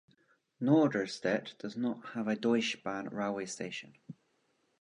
Norderstedt does not have a Deutsche Bahn railway station.